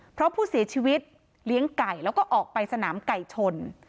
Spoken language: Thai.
เพราะผู้เสียชีวิตเลี้ยงไก่แล้วก็ออกไปสนามไก่ชน